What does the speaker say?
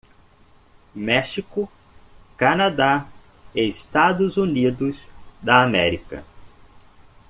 México, Canadá e Estados Unidos da América.